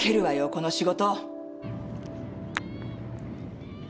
この仕事！